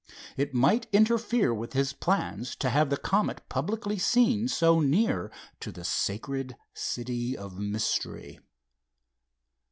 It might interfere with his plans to have the Comet publicly seen so near to the sacred city of mystery.